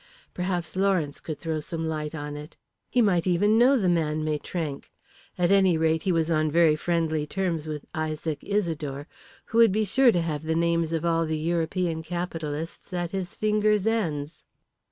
Perhaps Lawrence could throw some light on it. He might even know the man Maitrank. At any rate he was on very friendly terms with Isaac Isidore, who would be sure to have the names of all the European capitalists at his fingers' ends.